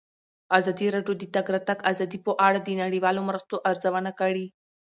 ازادي راډیو د د تګ راتګ ازادي په اړه د نړیوالو مرستو ارزونه کړې.